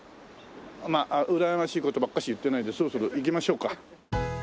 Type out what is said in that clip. まあうらやましい事ばっかし言ってないでそろそろ行きましょうか。